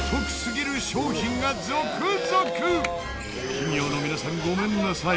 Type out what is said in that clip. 企業の皆さんごめんなさい。